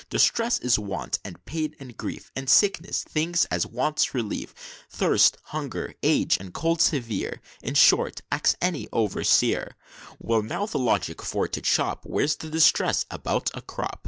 Distress is want, and pain, and grief, And sickness, things as wants relief; Thirst, hunger, age, and cold severe; In short, ax any overseer, Well, now, the logic for to chop, Where's the distress about a crop?"